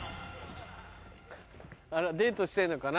あらデートしてんのかな？